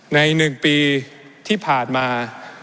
ใน๑ปีที่ผ่านมา